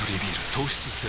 糖質ゼロ